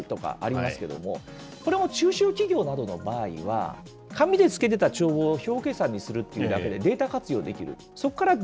例えば、この中、ＤＸとかありますけれども、これも中小企業などの場合は、紙でつけてた帳簿を表計算にするっていうだけでデータ活用できる。